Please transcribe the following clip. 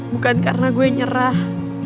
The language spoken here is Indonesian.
bukan karena gue nyerah